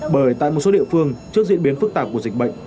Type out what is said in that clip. bởi tại một số địa phương trước diễn biến phức tạp của dịch bệnh